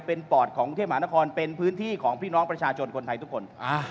เป็นปอดของกรุงเทพมหานครเป็นพื้นที่ของพี่น้องประชาชนคนไทยทุกคน